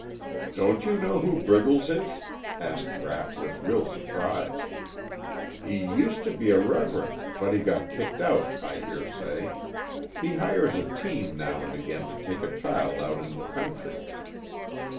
"Don't you know who Briggles is?" asked Rapp with real surprise. "He used to be a Reverend, but he got kicked out, I hear say. He hires a team now and again to take a child out in the country."